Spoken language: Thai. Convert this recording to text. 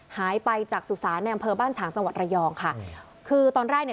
หายไปจากสุสานในอำเภอบ้านฉางจังหวัดระยองค่ะคือตอนแรกเนี่ย